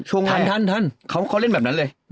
ช่วงแรกเขาเล่นแบบนั้นเลย